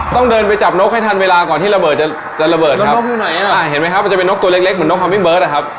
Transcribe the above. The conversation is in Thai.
ต้องเดินไปกับนกให้ทันเวลาก่อนที่ระเบิดจะระเบิดครับ